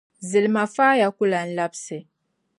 Zilima faaya ku lan labisi.